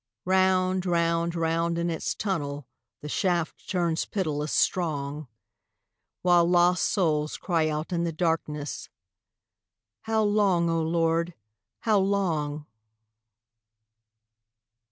Round, round, round in its tunnel The shaft turns pitiless strong, While lost souls cry out in the darkness: "How long, O Lord, how long?"